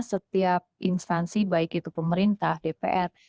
setiap instansi baik itu pemerintah dpr